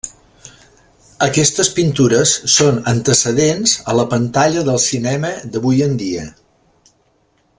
Aquestes pintures són antecedents a la pantalla del cinema d'avui en dia.